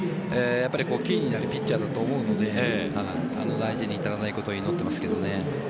キーになるピッチャーだと思うので大事に至らないことを祈っていますけどね。